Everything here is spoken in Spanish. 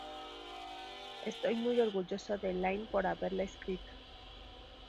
Estoy muy orgulloso de Layne por haberla escrito.